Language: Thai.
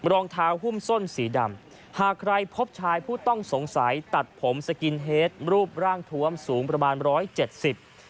รองเท้าหุ้มส้นสีดำหากใครพบชายผู้ต้องสงสัยตัดผมสกินเฮดรูปร่างทวมสูงประมาณร้อยเจ็ดสิบ